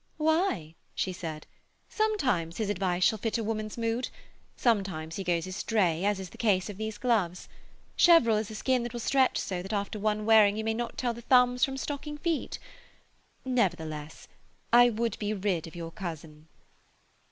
'Why,' she said, 'sometimes his advice shall fit a woman's mood; sometimes he goes astray, as in the case of these gloves. Cheverel is a skin that will stretch so that after one wearing you may not tell the thumbs from stocking feet. Nevertheless, I would be rid of your cousin.'